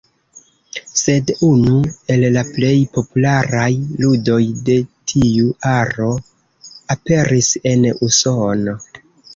Sed unu el la plej popularaj ludoj de tiu aro aperis en Usono.